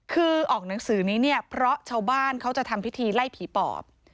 คือออกหนังสือนี้เนี่ยเพราะชาวบ้านเขาจะทำพิธีไล่ผีปอบ